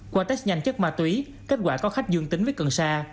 qua test nhanh chất ma túy kết quả có khách dương tính với cận xa